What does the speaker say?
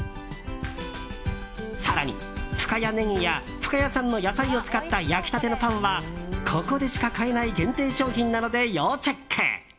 更に、深谷ねぎや深谷産の野菜を使った焼きたてのパンはここでしか買えない限定商品なので要チェック。